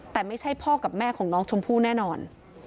แต่ไม่ใช่พ่อกับแม่ของน้องชมพู่แน่นอน